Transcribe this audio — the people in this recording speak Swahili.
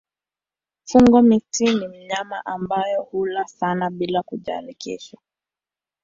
Fungo-miti ni mnyama ambaye hula sana bila kujali kesho.